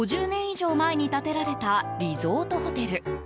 以上前に建てられたリゾートホテル。